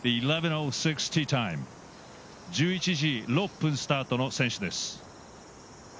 １１時６分スタートの選手です。